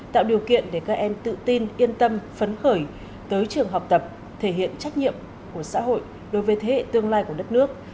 tạo điều kiện để các em tự tin yên tâm phấn khởi tới trường học tập thể hiện trách nhiệm của xã hội đối với thế hệ tương lai của đất nước